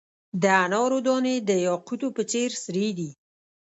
د انارو دانې د یاقوتو په څیر سرې دي.